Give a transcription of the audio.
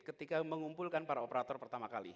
ketika mengumpulkan para operator pertama kali